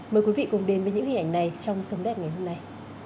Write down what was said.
mời quý vị cùng đến với những hình ảnh này trong sống đẹp ngày hôm nay